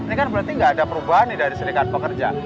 ini kan berarti nggak ada perubahan nih dari serikat pekerja